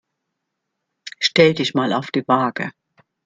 Stell dich mal auf die Waage.